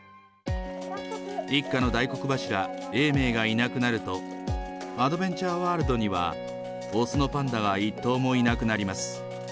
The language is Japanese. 一家の大黒柱、永明がいなくなると、アドベンチャーワールドには、雄のパンダは１頭もいなくなります。